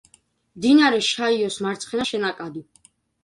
მდინარე შაიოს მარცხენა შენაკადი.